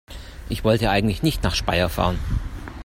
Ich wollte eigentlich nicht nach Speyer fahren